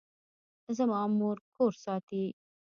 زما مور کور ساتي